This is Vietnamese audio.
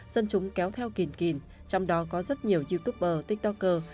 dân chúng kéo theo kìn kìn trong đó có rất nhiều youtuber tiktoker